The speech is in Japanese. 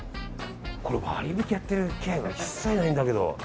これ割引きやってる気配が一切ないんだけど。